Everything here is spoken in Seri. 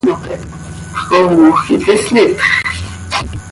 ¿Xcoomoj quih tislitx?